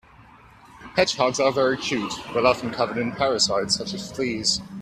Hedgehogs are very cute but often covered in parasites such as fleas.